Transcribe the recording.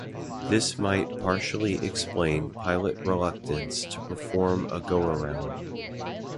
This might partially explain pilot reluctance to perform a go-around.